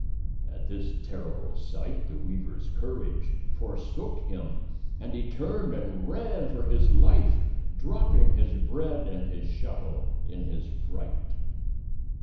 At this terrible sight, the weaver's courage forsook him, and he turned and ran for his life, dropping his bread and his shuttle in his fright.